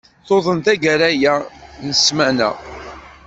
Tuḍen tagara-ya n ssmana.